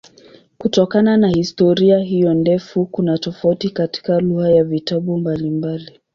Kutokana na historia hiyo ndefu kuna tofauti katika lugha ya vitabu mbalimbali.